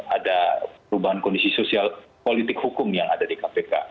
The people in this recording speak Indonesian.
ada perubahan kondisi sosial politik hukum yang ada di kpk